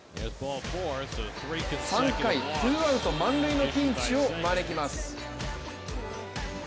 ３回、ツーアウト満塁のピンチを招きます。